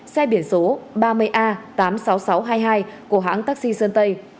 xe biển số ba mươi a tám mươi sáu nghìn sáu trăm hai mươi hai của hãng taxi sơn tây